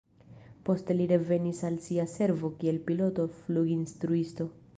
Poste li revenis al sia servo kiel piloto-fluginstruisto.